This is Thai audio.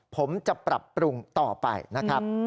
ผมจะปรับปรุงต่อไปนะครับ